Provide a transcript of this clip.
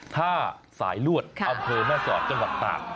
ท่าสายลวดอำเภอแม่สอดจังหวัดตาก